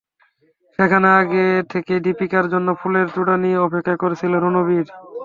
সেখানে আগে থেকেই দীপিকার জন্য ফুলের তোড়া নিয়ে অপেক্ষা করছিলেন রণবীর।